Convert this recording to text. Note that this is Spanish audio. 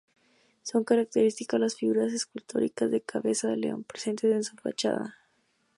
Son características las figuras escultóricas de cabeza de león presentes en su fachada.